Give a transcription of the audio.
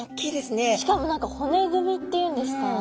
しかも何か骨組みって言うんですか